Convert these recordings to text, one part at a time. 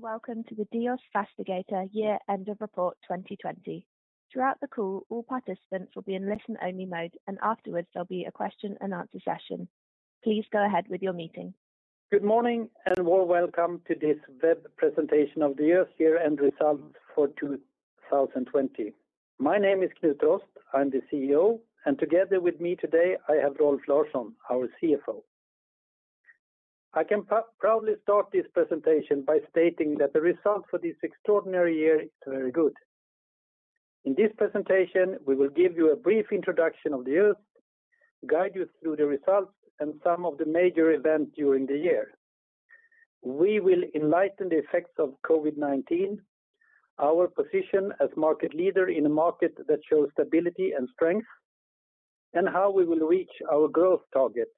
Welcome to the Diös Fastigheter Year End of Report 2020. Throughout the call, all participants will be in listen-only mode, and afterwards there'll be a question and answer session. Good morning, and warm welcome to this web presentation of the year-end results for 2020. My name is Knut Rost. I am the Chief Executive Officer, and together with me today, I have Rolf Larsson, our Chief Financial Officer. I can proudly start this presentation by stating that the results for this extraordinary year is very good. In this presentation, we will give you a brief introduction of the year, guide you through the results, and some of the major events during the year. We will enlighten the effects of COVID-19, our position as market leader in a market that shows stability and strength, and how we will reach our growth target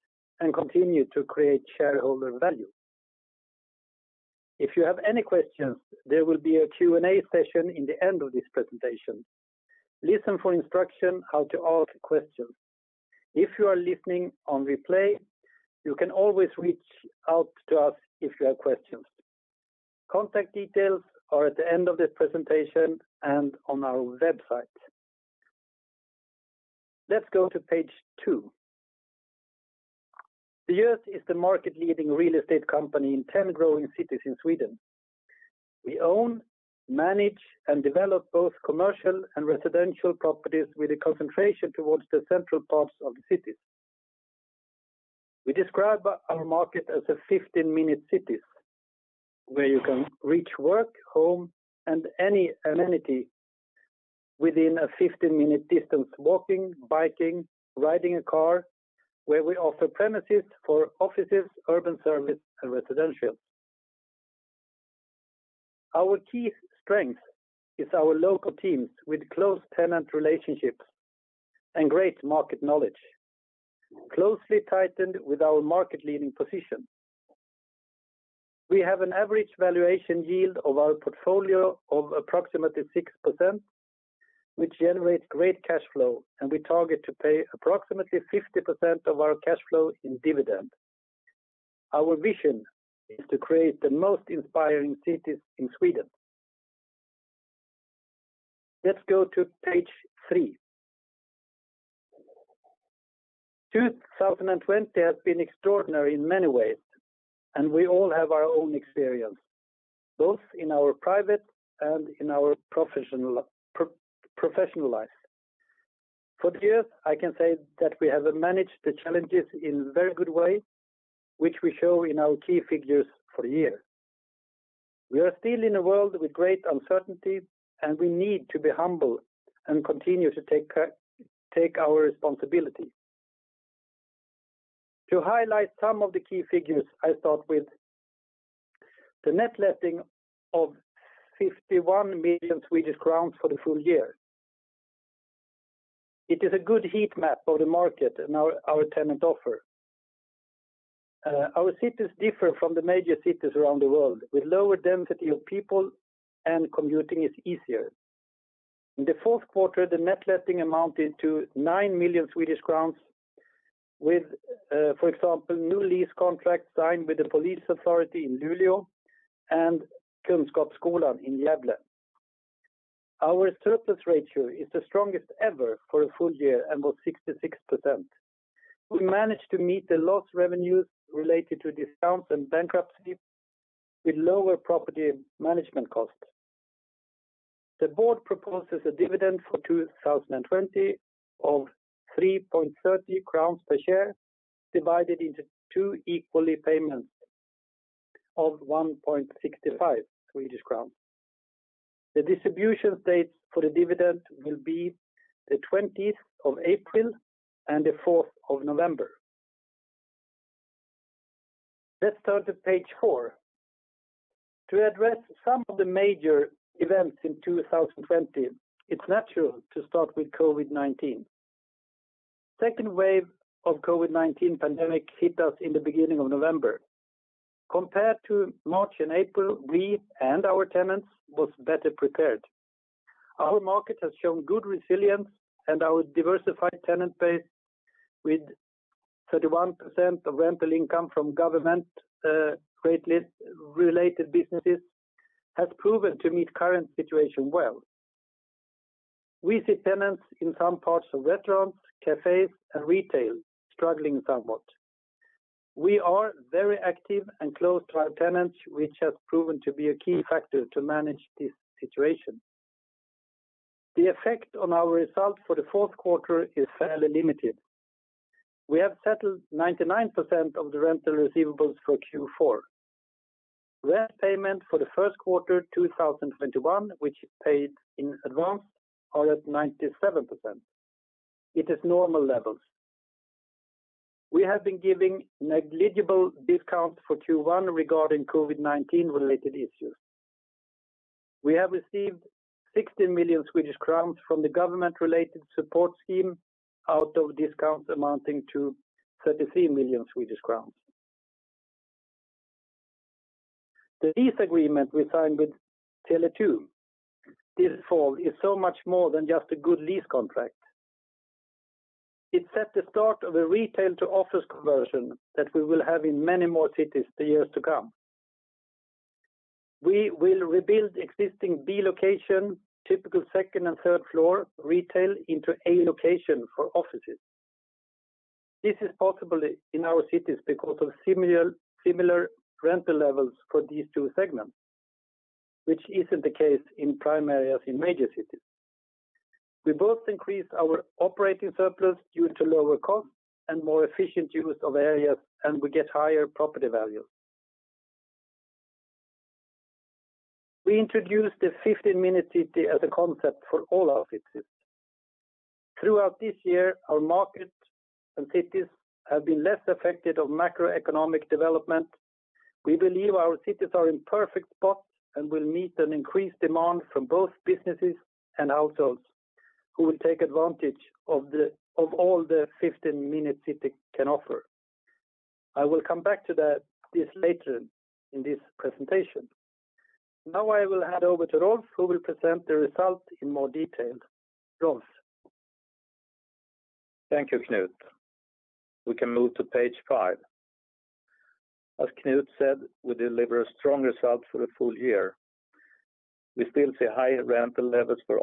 and continue to create shareholder value. If you have any questions, there will be a Q&A session in the end of this presentation. Listen for instruction how to ask questions. If you are listening on replay, you can always reach out to us if you have questions. Contact details are at the end of this presentation and on our website. Let's go to page two. Diös is the market-leading real estate company in 10 growing cities in Sweden. We own, manage, and develop both commercial and residential properties with a concentration towards the central parts of the cities. We describe our market as a 15-minute cities, where you can reach work, home, and any amenity within a 15-minute distance walking, biking, riding a car, where we offer premises for offices, urban service, and residential. Our key strength is our local teams with close tenant relationships and great market knowledge, closely tightened with our market-leading position. We have an average valuation yield of our portfolio of approximately 6%, which generates great cash flow. We target to pay approximately 50% of our cash flow in dividend. Our vision is to create the most inspiring cities in Sweden. Let's go to page three. 2020 has been extraordinary in many ways. We all have our own experience, both in our private and in our professional life. For Diös, I can say that we have managed the challenges in a very good way, which we show in our key figures for the year. We are still in a world with great uncertainty. We need to be humble and continue to take our responsibility. To highlight some of the key figures, I start with the net letting of 51 million Swedish crowns for the full year. It is a good heat map of the market and our tenant offer. Our cities differ from the major cities around the world, with lower density of people and commuting is easier. In the fourth quarter, the net letting amounted to 9 million Swedish crowns with, for example, new lease contracts signed with the police authority in Luleå and Kunskapsskolan in Gävle. Our surplus ratio is the strongest ever for a full year and was 66%. We managed to meet the lost revenues related to discounts and bankruptcy with lower property management costs. The board proposes a dividend for 2020 of 3.30 crowns per share, divided into two equally payments of 1.65 Swedish crowns. The distribution dates for the dividend will be the 20th of April and the 4th of November. Let's turn to page four. To address some of the major events in 2020, it's natural to start with COVID-19. Second wave of COVID-19 pandemic hit us in the beginning of November. Compared to March and April, we and our tenants was better prepared. Our market has shown good resilience and our diversified tenant base with 31% of rental income from government-related businesses has proven to meet current situation well. We see tenants in some parts of restaurants, cafes, and retail struggling somewhat. We are very active and close to our tenants, which has proven to be a key factor to manage this situation. The effect on our results for the fourth quarter is fairly limited. We have settled 99% of the rental receivables for Q4. Rent payment for the first quarter 2021, which is paid in advance, are at 97%. It is normal levels. We have been giving negligible discounts for Q1 regarding COVID-19-related issues. We have received 16 million Swedish crowns from the government-related support scheme out of discounts amounting to 33 million Swedish crowns. The lease agreement we signed with Tele2 this fall is so much more than just a good lease contract. It set the start of a retail-to-office conversion that we will have in many more cities the years to come. We will rebuild existing B location, typical second and third-floor retail, into A location for offices. This is possible in our cities because of similar rental levels for these two segments, which isn't the case in prime areas in major cities. We both increase our operating surplus due to lower costs and more efficient use of areas, and we get higher property values. We introduced the 15-minute city as a concept for all our cities. Throughout this year, our markets and cities have been less affected by macroeconomic development. We believe our cities are in perfect spots and will meet an increased demand from both businesses and households who will take advantage of all the 15-minute city can offer. I will come back to this later in this presentation. Now I will hand over to Rolf, who will present the results in more detail. Rolf? Thank you, Knut. We can move to page five. As Knut said, we deliver a strong result for the full year. We still see higher rental levels for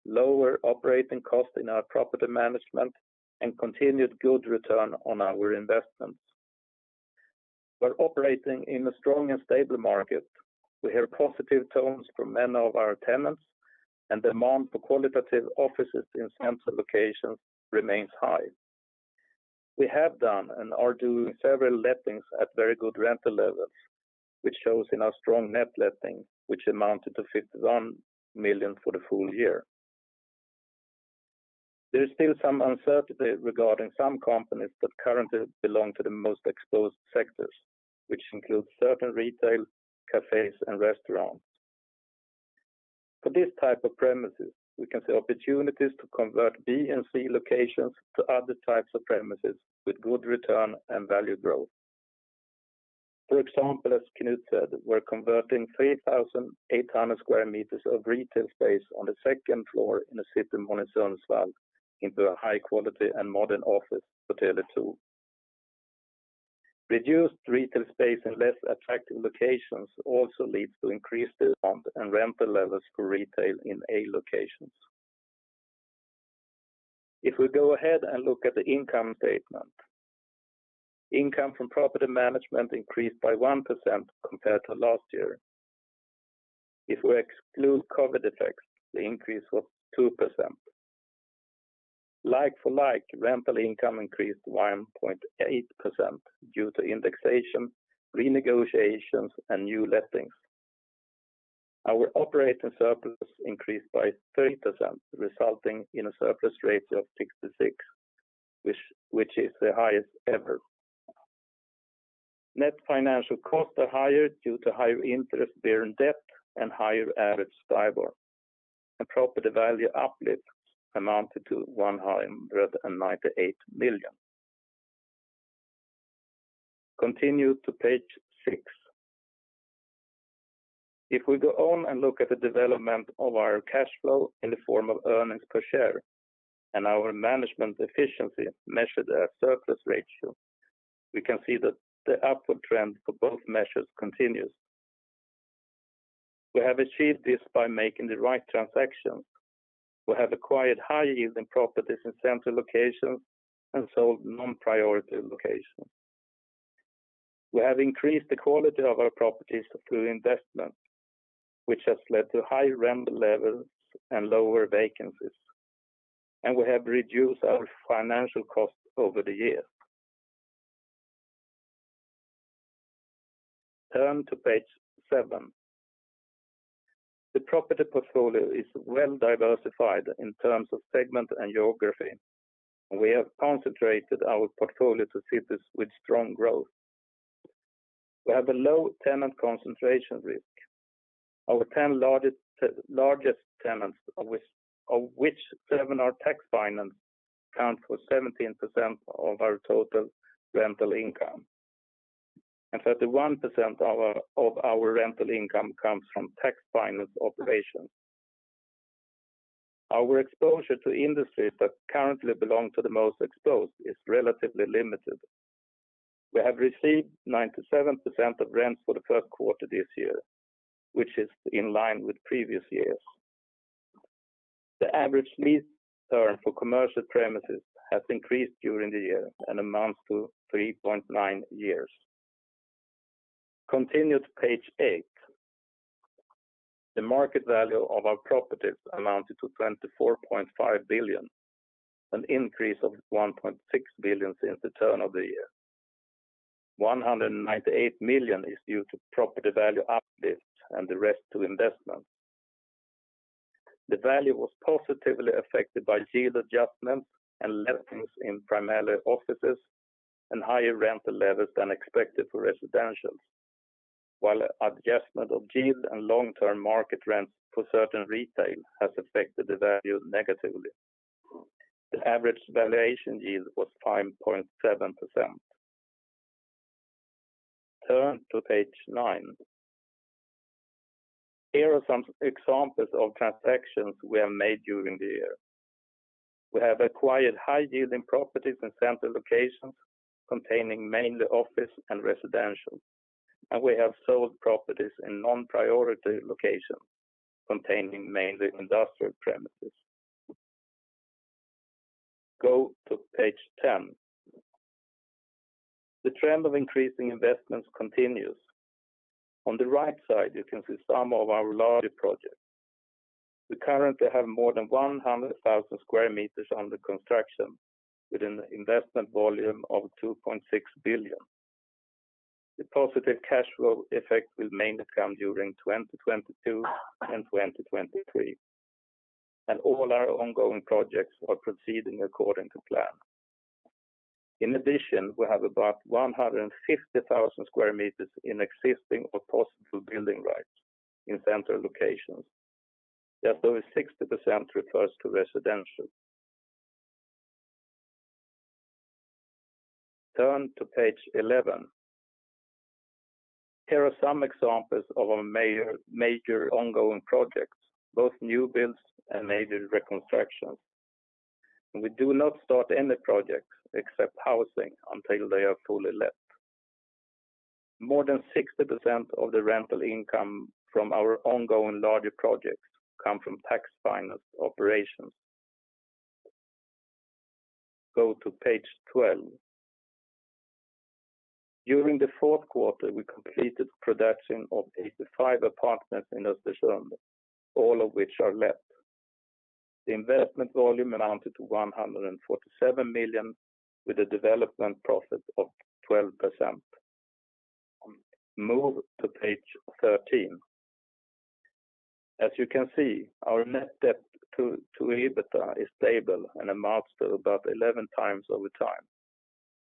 offices, lower operating cost in our property management, and continued good return on our investments. We're operating in a strong and stable market. We hear positive tones from many of our tenants, and demand for qualitative offices in central locations remains high. We have done, and are doing, several lettings at very good rental levels, which shows in our strong net letting, which amounted to 51 million for the full year. There is still some uncertainty regarding some companies that currently belong to the most exposed sectors, which includes certain retail, cafes, and restaurants. For this type of premises, we can see opportunities to convert B and C locations to other types of premises with good return and value growth. For example, as Knut said, we're converting 3,800 sqm of retail space on the second floor in a city mall in Sundsvall into a high-quality and modern office for Tele2. Reduced retail space and less attractive locations also leads to increased demand and rental levels for retail in A locations. If we go ahead and look at the income statement. Income from property management increased by 1% compared to last year. If we exclude COVID-19 effects, the increase was 2%. Like-for-like rental income increased 1.8% due to indexation, renegotiations, and new lettings. Our operating surplus increased by 30%, resulting in a surplus ratio of 66, which is the highest ever. Net financial costs are higher due to higher interest-bearing debt and higher average STIBOR, and property value uplifts amounted to 198 million SEK. Continue to page six. If we go on and look at the development of our cash flow in the form of earnings per share and our management efficiency measured at surplus ratio, we can see that the upward trend for both measures continues. We have achieved this by making the right transactions. We have acquired high-yielding properties in central locations and sold non-priority locations. We have increased the quality of our properties through investment, which has led to higher rental levels and lower vacancies, and we have reduced our financial costs over the year. Turn to page seven. The property portfolio is well-diversified in terms of segment and geography, and we have concentrated our portfolio to cities with strong growth. We have a low tenant concentration risk. Our 10 largest tenants, of which seven are tax-financed, account for 17% of our total rental income, and 31% of our rental income comes from tax-financed operations. Our exposure to industries that currently belong to the most exposed is relatively limited. We have received 97% of rents for the first quarter this year, which is in line with previous years. The average lease term for commercial premises has increased during the year and amounts to 3.9 years. Continue to page eight. The market value of our properties amounted to 24.5 billion, an increase of 1.6 billion since the turn of the year. 198 million is due to property value uplifts and the rest to investments. The value was positively affected by yield adjustments and lettings in primarily offices and higher rental levels than expected for residentials. While adjustment of yield and long-term market rents for certain retail has affected the value negatively. The average valuation yield was 5.7%. Turn to page nine. Here are some examples of transactions we have made during the year. We have acquired high-yielding properties in central locations containing mainly office and residential, and we have sold properties in non-priority locations containing mainly industrial premises. Go to page 10. The trend of increasing investments continues. On the right side, you can see some of our larger projects. We currently have more than 100,000 sqm under construction with an investment volume of 2.6 billion. The positive cash flow effect will mainly come during 2022 and 2023, and all our ongoing projects are proceeding according to plan. In addition, we have about 150,000 sqm in existing or possible building rights in central locations. Just over 60% refers to residential. Turn to page 11. Here are some examples of our major ongoing projects, both new builds and major reconstructions. We do not start any projects except housing until they are fully let. More than 60% of the rental income from our ongoing larger projects come from tax-financed operations. Go to page 12. During the fourth quarter, we completed production of 85 apartments in Östersund, all of which are let. The investment volume amounted to 147 million with a development profit of 12%. Move to page 13. As you can see, our net debt to EBITDA is stable and amounts to about 11x over time.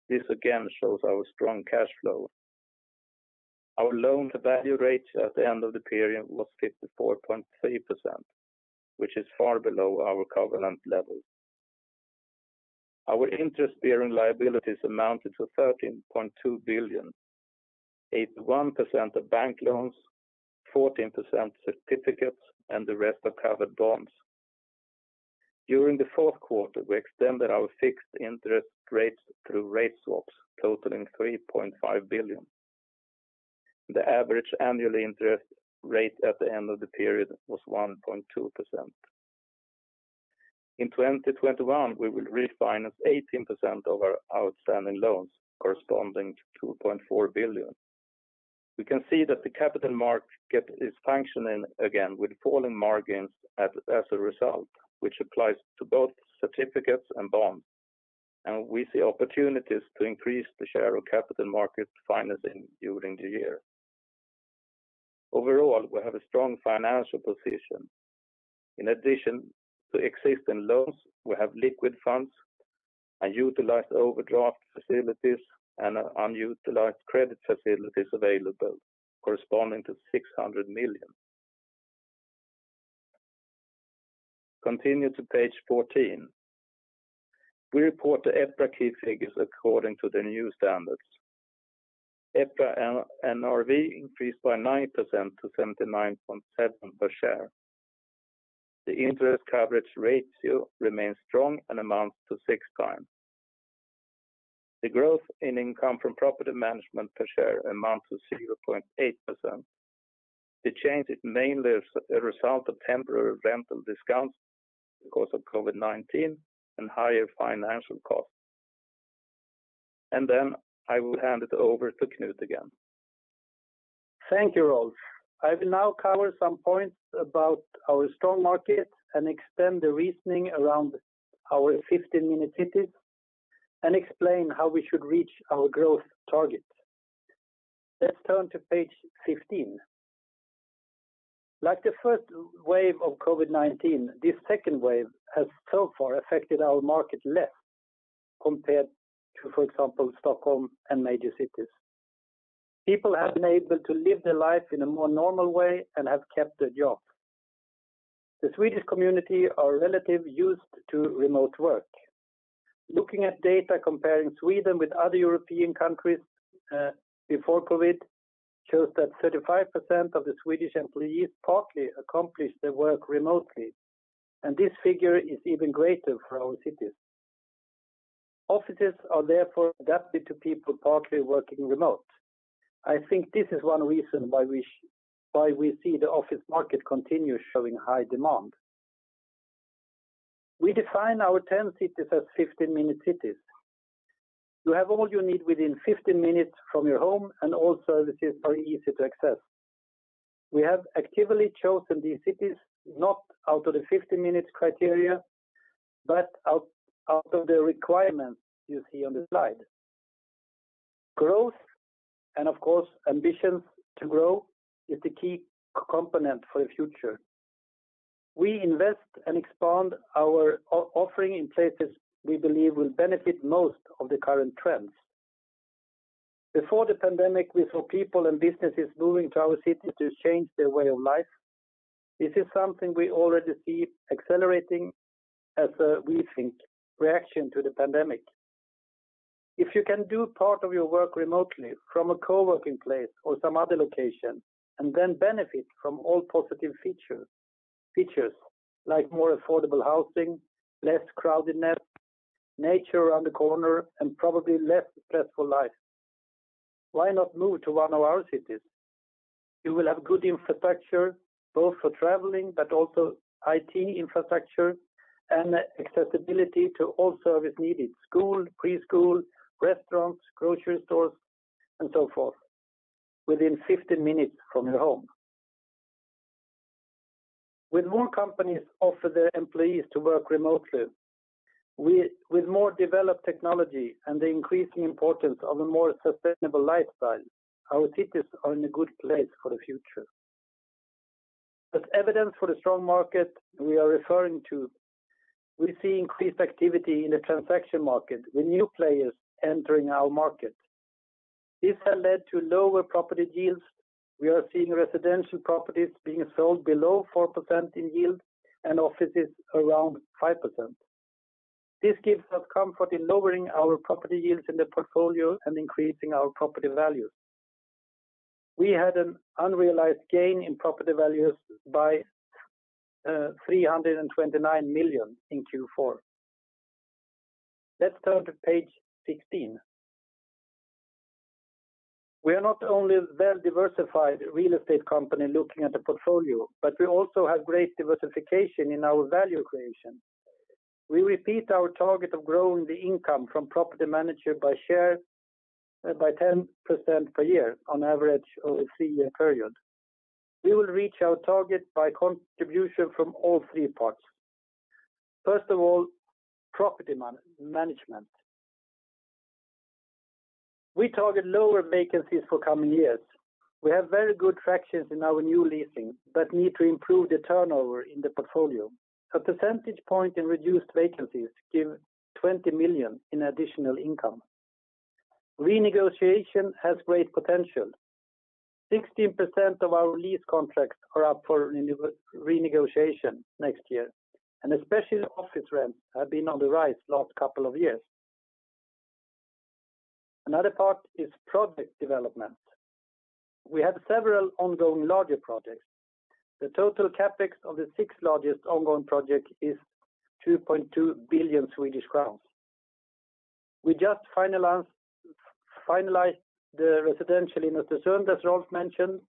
This again shows our strong cash flow. Our loan-to-value ratio at the end of the period was 54.3%, which is far below our covenant level. Our interest-bearing liabilities amounted to 13.2 billion, 81% are bank loans, 14% certificates, and the rest are covered bonds. During the fourth quarter, we extended our fixed interest rates through rate swaps totaling 3.5 billion. The average annual interest rate at the end of the period was 1.2%. In 2021, we will refinance 18% of our outstanding loans corresponding to 2.4 billion. We can see that the capital market is functioning again with falling margins as a result, which applies to both certificates and bonds, and we see opportunities to increase the share of capital market financing during the year. Overall, we have a strong financial position. In addition to existing loans, we have liquid funds, unutilized overdraft facilities, and unutilized credit facilities available corresponding to SEK 600 million. Continue to page 14. We report the EPRA key figures according to the new standards. EPRA NRV increased by 9% to 79.7 per share. The interest coverage ratio remains strong and amounts to 6x. The growth in income from property management per share amounts to 0.8%. The change is mainly as a result of temporary rental discounts because of COVID-19 and higher financial costs. I will hand it over to Knut again. Thank you, Rolf. I will now cover some points about our strong market and extend the reasoning around our 15-minute cities and explain how we should reach our growth targets. Let's turn to page 15. Like the first wave of COVID-19, this second wave has so far affected our market less compared to, for example, Stockholm and major cities. People have been able to live their life in a more normal way and have kept their job. The Swedish community are relatively used to remote work. Looking at data comparing Sweden with other European countries before COVID shows that 35% of the Swedish employees partly accomplish their work remotely, and this figure is even greater for our cities. Offices are therefore adapted to people partly working remote. I think this is one reason why we see the office market continue showing high demand. We define our 10 cities as 15-minute cities. You have all you need within 15 minutes from your home, and all services are easy to access. We have actively chosen these cities not out of the 15-minute criteria, but out of the requirements you see on the slide. Growth, and of course, ambition to grow is the key component for the future. We invest and expand our offering in places we believe will benefit most of the current trends. Before the pandemic, we saw people and businesses moving to our cities to change their way of life. This is something we already see accelerating as a, we think, reaction to the pandemic. If you can do part of your work remotely from a co-working place or some other location, and then benefit from all positive features like more affordable housing, less crowdedness, nature around the corner, and probably less stressful life, why not move to one of our cities? You will have good infrastructure, both for traveling, but also IT infrastructure and accessibility to all service needed: school, preschool, restaurants, grocery stores, and so forth, within 15 minutes from your home. With more companies offer their employees to work remotely, with more developed technology and the increasing importance of a more sustainable lifestyle, our cities are in a good place for the future. As evidence for the strong market we are referring to, we see increased activity in the transaction market with new players entering our market. This has led to lower property yields. We are seeing residential properties being sold below 4% in yield and offices around 5%. This gives us comfort in lowering our property yields in the portfolio and increasing our property values. We had an unrealized gain in property values by 329 million in Q4. Let's turn to page 16. We are not only a well-diversified real estate company looking at the portfolio, but we also have great diversification in our value creation. We repeat our target of growing the income from property manager by 10% per year on average over a three-year period. We will reach our target by contribution from all three parts. First of all, property management. We target lower vacancies for coming years. We have very good traction in our new leasing, but need to improve the turnover in the portfolio. A percentage point in reduced vacancies give 20 million in additional income. Renegotiation has great potential. 16% of our lease contracts are up for renegotiation next year, and especially the office rents have been on the rise last couple of years. Another part is project development. We have several ongoing larger projects. The total CapEx of the six largest ongoing project is 2.2 billion Swedish crowns. We just finalized the residential in Östersund, as Rolf mentioned,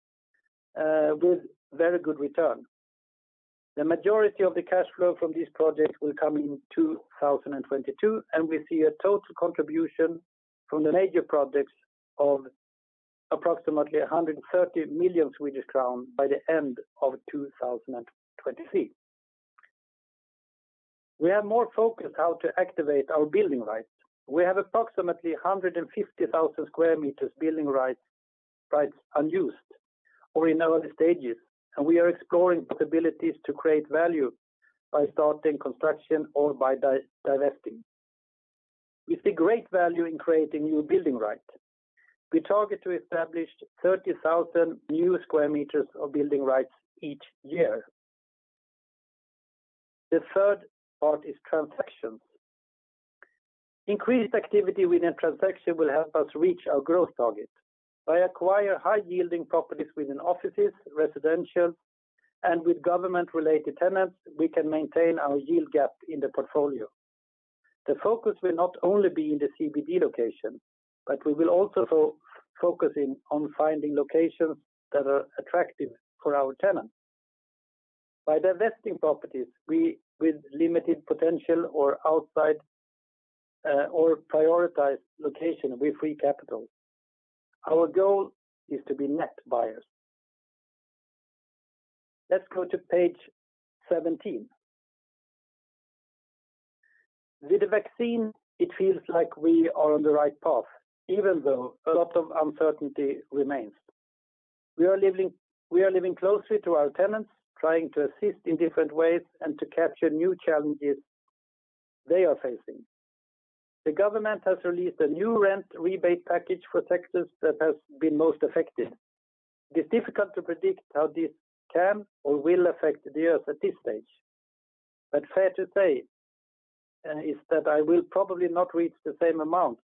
with very good return. The majority of the cash flow from this project will come in 2022, and we see a total contribution from the major projects of approximately 130 million Swedish crowns by the end of 2023. We are more focused how to activate our building rights. We have approximately 150,000 sqm building rights unused or in early stages, and we are exploring possibilities to create value by starting construction or by divesting. We see great value in creating new building right. We target to establish 30,000 new square meters of building rights each year. The third part is transactions. Increased activity within transaction will help us reach our growth target. By acquiring high-yielding properties within offices, residential, and with government-related tenants, we can maintain our yield gap in the portfolio. The focus will not only be in the CBD location, but we will also focus on finding locations that are attractive for our tenants. By divesting properties with limited potential or outside our prioritized location, we free capital. Our goal is to be net buyers. Let's go to page 17. With the vaccine, it feels like we are on the right path, even though a lot of uncertainty remains. We are living closely to our tenants, trying to assist in different ways and to capture new challenges they are facing. The government has released a new rent rebate package for sectors that has been most affected. It is difficult to predict how this can or will affect Diös at this stage, but fair to say is that it will probably not reach the same amount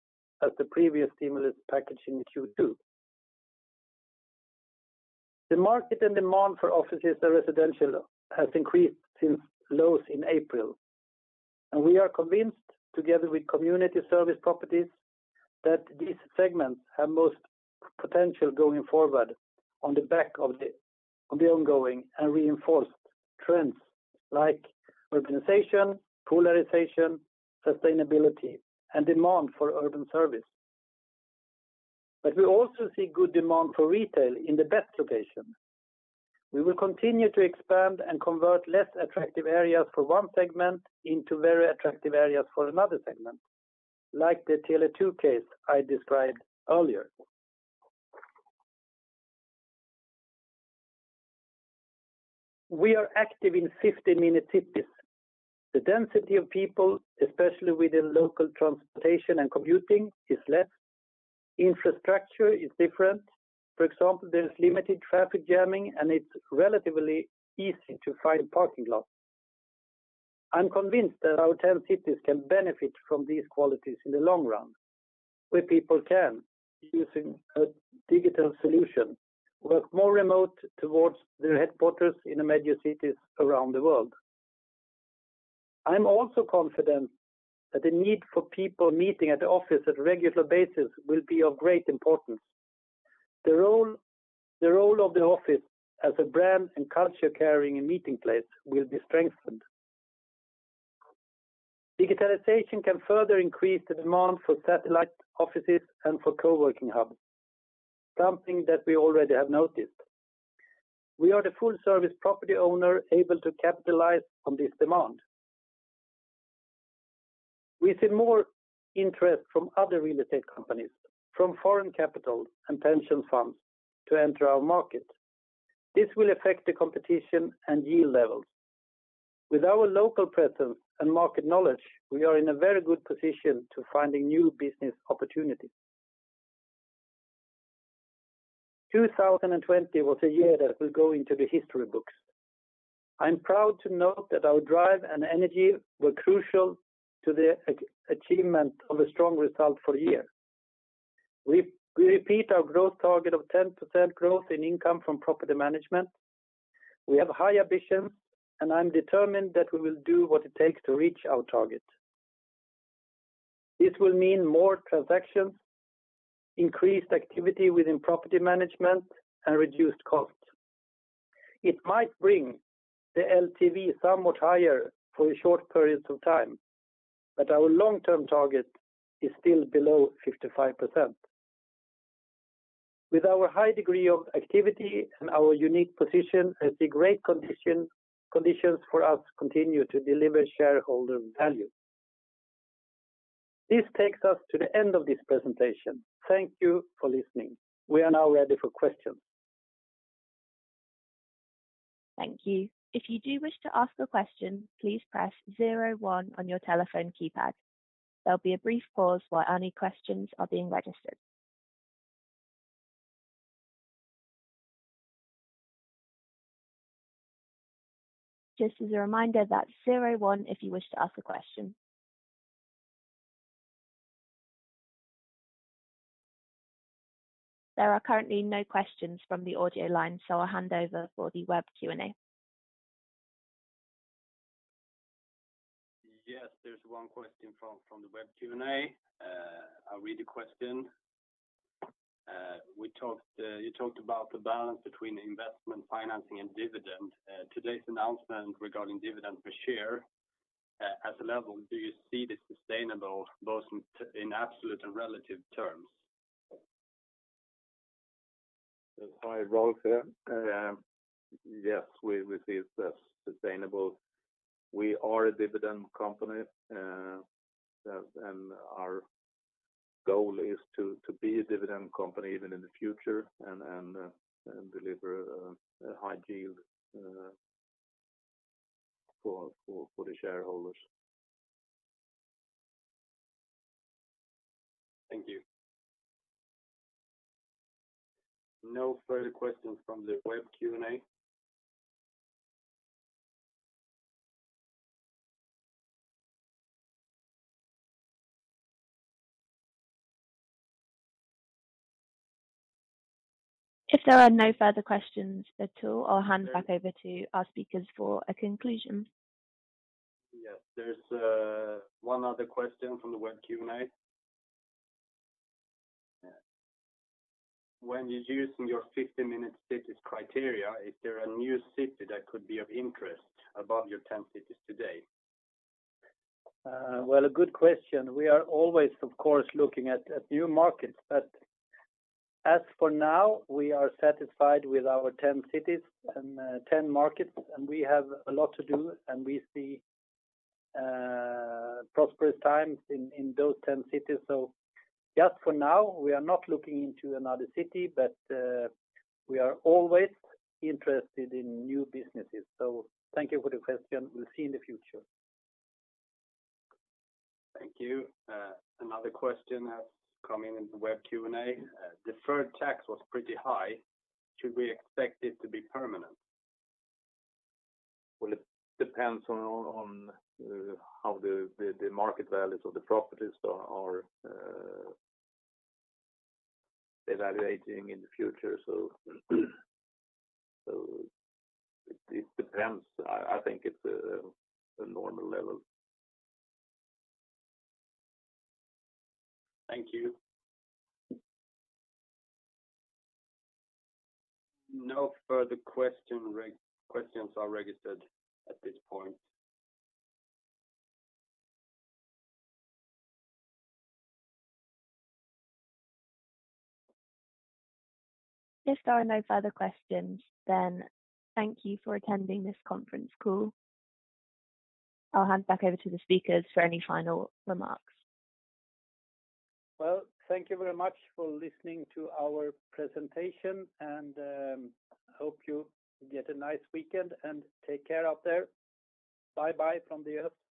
as the previous stimulus package in Q2. The market and demand for offices and residential has increased since lows in April, and we are convinced, together with community service properties, that these segments have most potential going forward on the back of the ongoing and reinforced trends like urbanization, polarization, sustainability, and demand for urban service. We also see good demand for retail in the best locations. We will continue to expand and convert less attractive areas for one segment into very attractive areas for another segment, like the Tele2 case I described earlier. We are active in 15 municipalities. The density of people, especially within local transportation and commuting, is less. Infrastructure is different. For example, there is limited traffic jamming, and it's relatively easy to find parking lots. I'm convinced that our 10 cities can benefit from these qualities in the long run, where people can, using a digital solution, work more remote towards their headquarters in the major cities around the world. I'm also confident that the need for people meeting at the office at regular basis will be of great importance. The role of the office as a brand and culture-carrying and meeting place will be strengthened. Digitalization can further increase the demand for satellite offices and for co-working hubs, something that we already have noticed. We are the full-service property owner able to capitalize on this demand. We see more interest from other real estate companies, from foreign capital and pension funds to enter our market. This will affect the competition and yield levels. With our local presence and market knowledge, we are in a very good position to finding new business opportunities. 2020 was a year that will go into the history books. I'm proud to note that our drive and energy were crucial to the achievement of a strong result for the year. We repeat our growth target of 10% growth in income from property management. We have high ambitions, and I'm determined that we will do what it takes to reach our target. This will mean more transactions, increased activity within property management, and reduced costs. It might bring the LTV somewhat higher for a short period of time, but our long-term target is still below 55%. With our high degree of activity and our unique position, I see great conditions for us to continue to deliver shareholder value. This takes us to the end of this presentation. Thank you for listening. We are now ready for questions. Thank you. If you do wish to ask a question, please press zero one on your telephone keypad. There'll be a brief pause while any questions are being registered. Just as a reminder, that's zero one if you wish to ask a question. There are currently no questions from the audio line, I'll hand over for the web Q&A. Yes, there is one question from the web Q&A. I will read the question. You talked about the balance between investment financing and dividend. Today's announcement regarding dividend per share as a level, do you see this sustainable both in absolute and relative terms? It's Rolf here. Yes, we see it as sustainable. We are a dividend company. Our goal is to be a dividend company even in the future and deliver a high yield for the shareholders. Thank you. No further questions from the web Q&A. If there are no further questions at all, I'll hand back over to our speakers for a conclusion. Yes. There's one other question from the web Q&A. When you're using your 15-minute city criteria, is there a new city that could be of interest above your 10 cities today? Well, a good question. We are always, of course, looking at new markets. As for now, we are satisfied with our 10 cities and 10 markets, and we have a lot to do, and we see prosperous times in those 10 cities. Just for now, we are not looking into another city, but we are always interested in new businesses. Thank you for the question. We'll see in the future. Thank you. Another question has come in in the web Q&A. Deferred tax was pretty high. Should we expect it to be permanent? Well, it depends on how the market values of the properties are evaluating in the future. It depends. I think it's a normal level. Thank you. No further questions are registered at this point. If there are no further questions, then thank you for attending this conference call. I'll hand back over to the speakers for any final remarks. Well, thank you very much for listening to our presentation, and hope you get a nice weekend, and take care out there. Bye-bye from Diös